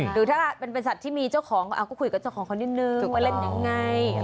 หรือถ้าเป็นสัตว์ที่มีเจ้าของก็คุยกับเจ้าของเขานิดนึงว่าเล่นยังไง